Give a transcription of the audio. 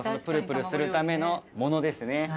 プルプルするためのものですね。